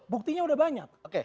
buktinya udah banyak